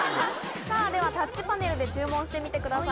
では、タッチパネルで注文してみてください。